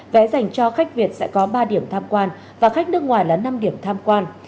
vé dành cho khách việt sẽ có ba điểm tham quan và khách nước ngoài là năm điểm tham quan